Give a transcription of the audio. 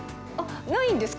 ないんですか？